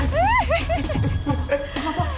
jangan terlalu buruk